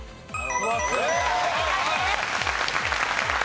正解です。